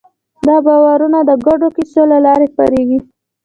دا باورونه د ګډو کیسو له لارې خپرېږي.